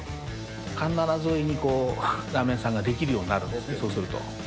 環七沿いにラーメン屋さんができるようになるんですね、そうすると。